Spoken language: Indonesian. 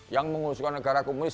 yang mengusulkan negara komunis